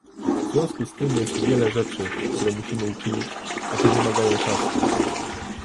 W związku z tym jest wiele rzeczy, które musimy uczynić, a te wymagają czasu